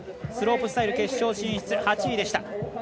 スロープスタイル決勝進出８位でした。